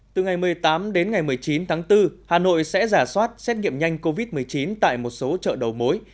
từ ngày một mươi tám đến ngày một mươi chín tháng bốn hà nội sẽ giả soát xét nghiệm nhanh covid một mươi chín tại một số chợ đầu mối